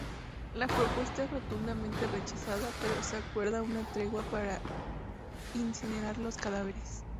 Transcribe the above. La propuesta es rotundamente rechazada, pero se acuerda una tregua para incinerar los cadáveres.